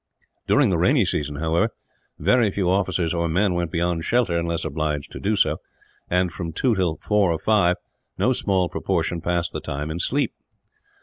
During the rainy season, however, very few officers or men went beyond shelter, unless obliged to do so and, from two till four or five, no small proportion passed the time in sleep.